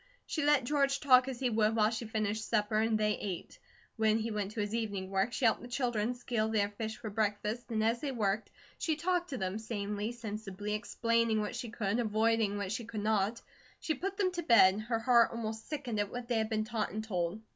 She let George talk as he would while she finished supper and they ate. When he went for his evening work, she helped the children scale their fish for breakfast and as they worked she talked to them, sanely, sensibly, explaining what she could, avoiding what she could not. She put them to bed, her heart almost sickened at what they had been taught and told.